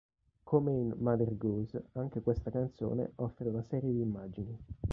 Come in "Mother Goose" anche questa canzone offre una serie di immagini.